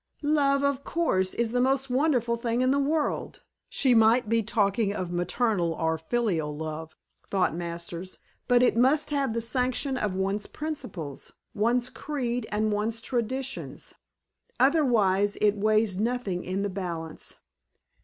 "Love, of course, is the most wonderful thing in the world. (She might be talking of maternal or filial love, thought Masters.) But it must have the sanction of one's principles, one's creed and one's traditions. Otherwise, it weighs nothing in the balance."